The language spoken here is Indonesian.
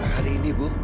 hari ini ibu